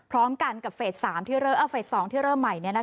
พร้อมกันกับเฟส๒ที่เริ่มใหม่เนี่ยนะคะ